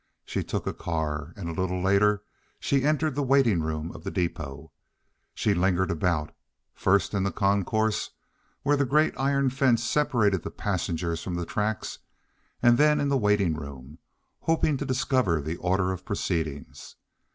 She took a car, and a little later she entered the waiting room of the depôt. She lingered about, first in the concourse, where the great iron fence separated the passengers from the tracks, and then in the waiting room, hoping to discover the order of proceedings.